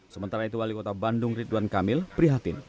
sementara itu wali kota bandung ridwan kamil prihatin